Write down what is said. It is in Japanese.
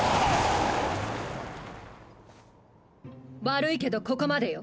悪いけどここまでよ。